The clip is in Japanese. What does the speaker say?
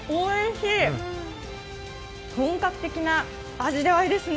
本格的な味わいですね。